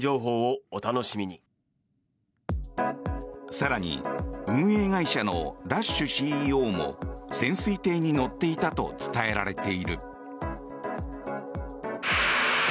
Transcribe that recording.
更に運営会社のラッシュＣＥＯも潜水艇に乗っていたと伝えられている。